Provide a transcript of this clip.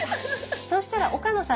そうしたら岡野さん